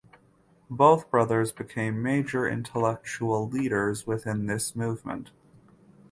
Both brothers became major intellectual leaders within this movement.